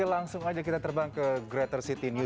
oke langsung aja kita terbang ke greater sydney